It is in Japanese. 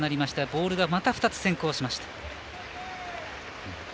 ボールがまた２つ先行しました。